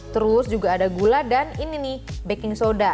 terus juga ada gula dan ini nih baking soda